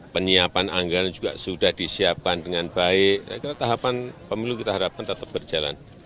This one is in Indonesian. penyiapan anggaran juga sudah disiapkan dengan baik saya kira tahapan pemilu kita harapkan tetap berjalan